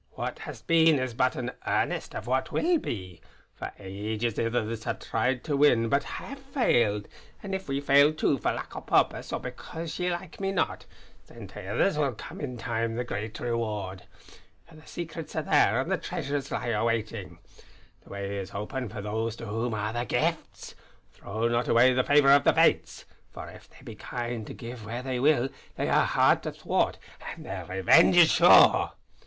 What hae been is but an earnest of what will be. For ages ithers have tried to win but hae failed; and if we fail too for lack o' purpose or because ye like me not, then to ithers will come in time the great reward. For the secrets are there, and the treasures lie awaiting. The way is open for those to whom are the Gifts. Throw not away the favour of the Fates. For if they be kind to give where they will, they are hard to thwart, and their revenge is sure!"